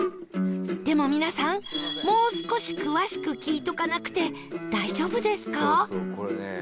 でも皆さんもう少し詳しく聞いとかなくて大丈夫ですか？